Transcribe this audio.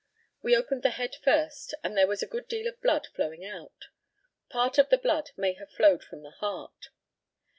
We opened the head first, and there was a good deal of blood flowing out. Part of the blood may have flowed from the heart.